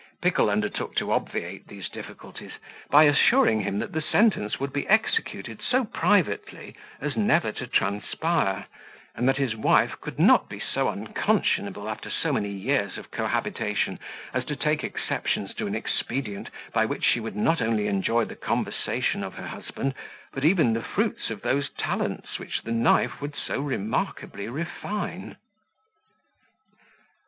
Pickle undertook to obviate these difficulties, by assuring him that the sentence would be executed so privately as never to transpire: and that his wife could not be so unconscionable, after so many years of cohabitation, as to take exceptions to an expedient by which she would not only enjoy the conversation of her husband, but even the fruits of those talents which the knife would so remarkably refine.